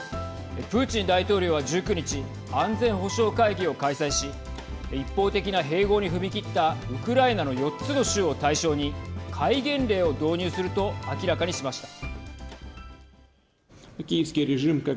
プーチン大統領は１９日安全保障会議を開催し一方的な併合に踏み切ったウクライナの４つの州を対象に戒厳令を導入すると明らかにしました。